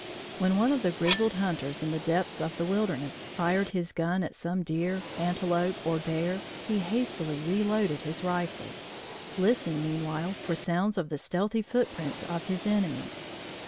When one of the grizzled hunters in the depths of the wilderness fired his gun at some deer, antelope or bear, he hastily reloaded his rifle, listening meanwhile for sounds of the stealthy footprints of his enemy.